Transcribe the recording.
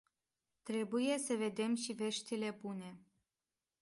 Trebuie să vedem și veștile bune.